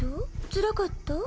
つらかった？